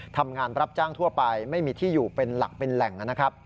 ทำงานรับจ้างทั่วไปไม่มีที่อยู่เป็นหลักเป็นแหล่งนะครับ